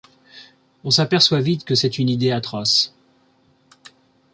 On s'aperçoit vite que c'est une idée atroce.